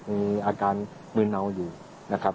มีอาการมืนเมาอยู่นะครับ